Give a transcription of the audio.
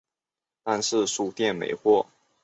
但是书店没货